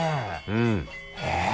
うん。えっ？